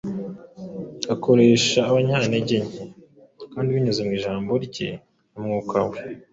Akoresheje abanyantegenke, kandi binyuze mu ijambo rye na Mwuka we,